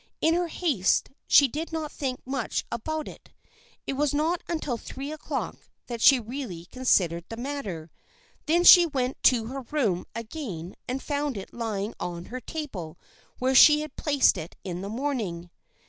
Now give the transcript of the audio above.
In her haste she did not think much about it. It was not until three o'clock that she really considered the matter. Then she went to her room again and found it lying on her table where she had placed it in the morning.